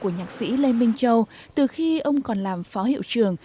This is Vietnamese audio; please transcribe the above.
của nhạc sĩ lê minh châu từ khi ông còn làm phó hiệu trường